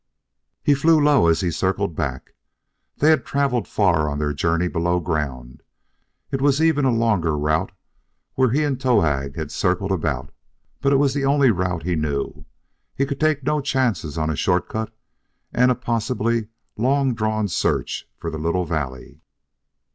He flew low as he circled back. They had traveled far on their journey below ground; it was even a longer route where he and Towahg had circled about. But it was the only route he knew; he could take no chances on a short cut and a possible long drawn search for the little valley.